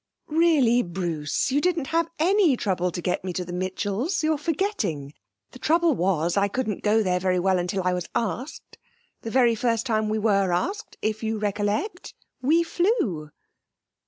'Really, Bruce, you didn't have any trouble to get me to go to the Mitchells; you're forgetting. The trouble was I couldn't go there very well until I was asked. The very first time we were asked (if you recollect), we flew!'